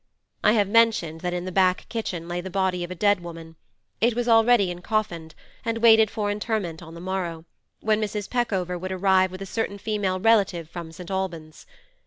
I have mentioned that in the back kitchen lay the body of a dead woman; it was already encoffined, and waited for interment on the morrow, when Mrs. Peckover would arrive with a certain female relative from St. Albans.